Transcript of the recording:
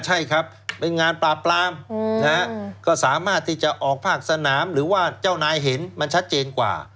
ใช่ครับเป็นงานปราบปรามก็สามารถที่จะออกภาคสนามหรือว่าเจ้านายเห็นมันชัดเจนกว่า